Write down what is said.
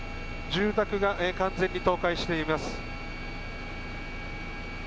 住宅が完全に倒壊しています。